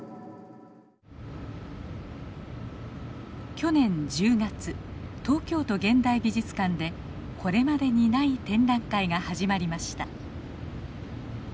去年１０月東京都現代美術館でこれまでにない展覧会が始まりました。